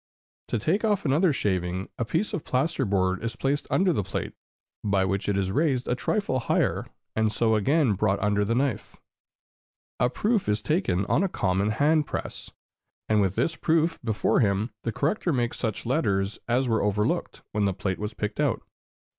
To take off another shaving, a piece of pasteboard is placed under the plate, by which it is raised a trifle higher, and so again brought under the knife. [Illustration: Correcting Stereotype Plates.] A proof is taken on a common hand press, and with this proof before him the corrector marks such letters as were overlooked when the plate was picked out.